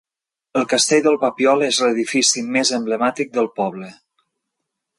El castell del Papiol és l'edifici més emblemàtic del poble.